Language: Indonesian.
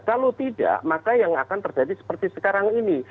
kalau tidak maka yang akan terjadi seperti sekarang ini